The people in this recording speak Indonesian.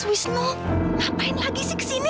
mas wisnu ngapain lagi sih kesini